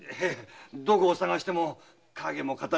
どこを捜しても影も形も。